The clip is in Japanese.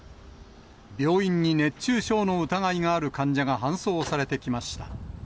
病院に熱中症の疑いがある患者が搬送されてきました。